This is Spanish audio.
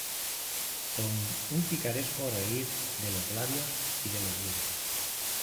con un picaresco reír de los labios y de los dientes.